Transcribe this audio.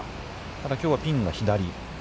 ただ、きょうはピンが左。